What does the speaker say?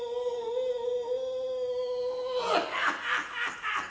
ハハハハハ。